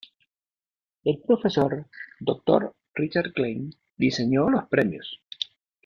El Profesor Dr. Richard Klein diseñó los premios.